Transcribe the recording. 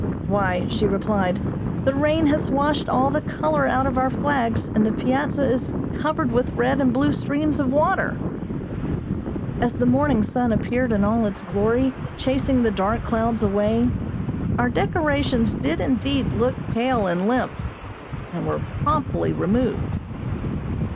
"Why," she replied, "the rain has washed all the color out of our flags, and the piazza is covered with red and blue streams of water." As the morning sun appeared in all its glory, chasing the dark clouds away, our decorations did indeed look pale and limp, and were promptly removed.